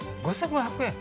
５５００円？